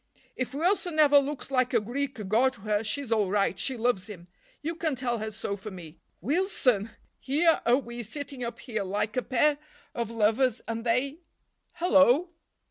"If Wilson ever looks like a Greek god to her, she's all right, she loves him—you can tell her so for me. Wilson! Here are we sitting up here like a pair of lovers, and they—Hello!"